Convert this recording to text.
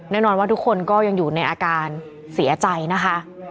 แน่นอนว่าทุกคนก็ยังอยู่ในอาการเสียใจนะคะ